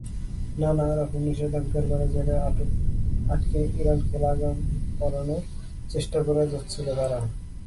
নানা রকম নিষেধাজ্ঞার বেড়াজালে আটকে ইরানকে লাগাম পরানোর চেষ্টা করে যাচ্ছিল তারা।